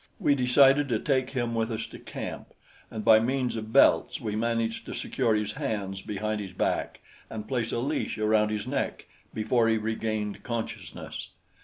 We decided to take him with us to camp, and by means of belts we managed to secure his hands behind his back and place a leash around his neck before he regained consciousness.